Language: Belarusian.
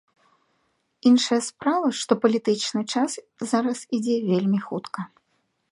Іншая справа, што палітычны час зараз ідзе вельмі хутка.